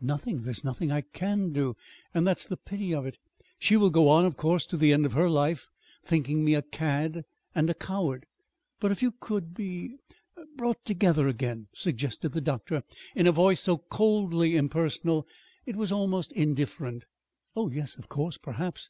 "Nothing. There's nothing I can do. And that's the pity of it. She will go on, of course, to the end of her life, thinking me a cad and a coward." "But if you could be er brought together again," suggested the doctor in a voice so coldly impersonal it was almost indifferent. "Oh, yes, of course perhaps.